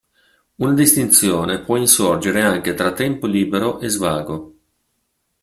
Una distinzione può insorgere anche tra tempo libero e svago.